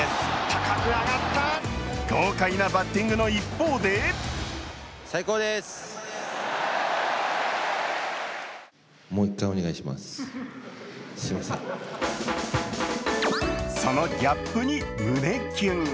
豪快なバッティングの一方でそのギャップに胸キュン。